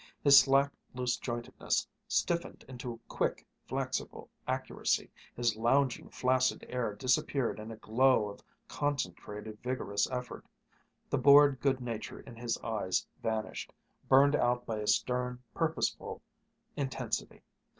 His slack loose jointedness stiffened into quick, flexible accuracy, his lounging, flaccid air disappeared in a glow of concentrated vigorous effort. The bored good nature in his eyes vanished, burned out by a stern, purposeful intensity.